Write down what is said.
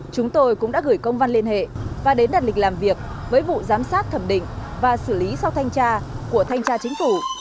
chúng tôi cũng đã gửi công văn liên hệ và đến đặt lịch làm việc với vụ giám sát thẩm định và xử lý sau thanh tra của thanh tra chính phủ